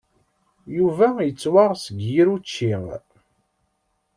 Yuba yettwaɣ seg yir učči.